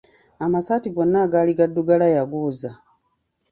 Amasaati gonna agaali gaddugala yagooza.